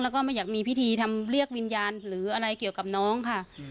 แล้วก็ไม่อยากมีพิธีทำเรียกวิญญาณหรืออะไรเกี่ยวกับน้องค่ะ